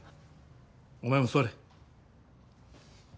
お前も座れ。